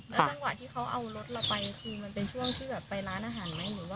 จังหวะที่เขาเอารถเราไปทีมันเป็นช่วงที่แบบไปร้านอาหารไหม